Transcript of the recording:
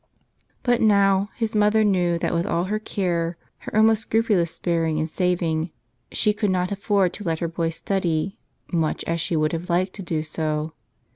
But now, his mother knew that with all her care, her almost scrupulous sparing and saving, she could not afford to let her boy study, much as she would have liked to do so.